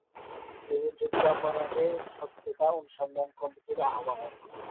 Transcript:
তিনি যুদ্ধাপরাধের সত্যতা অনুসন্ধান কমিটির আহ্বায়ক।